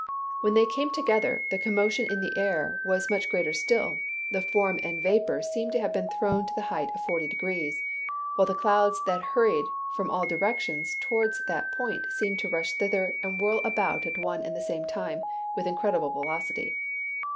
When they came together, the commotion in the air was much greater still; the foam and the vapor seemed to be thrown to the height of forty degrees, while the clouds that hurried from all directions toward that point seemed to rush thither and whirl about at one and the same time, with incredible velocity.